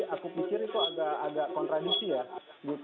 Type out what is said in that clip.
aku pikir itu agak agak kontradisi ya